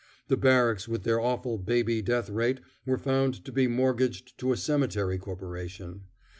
The Barracks with their awful baby death rate were found to be mortgaged to a cemetery corporation.